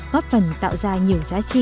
góp phần tạo ra nhiều giá trị cho xã hội